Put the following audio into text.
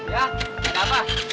ya ada apa